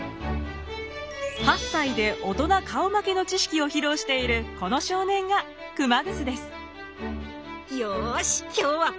８歳で大人顔負けの知識を披露しているこの少年が熊楠です。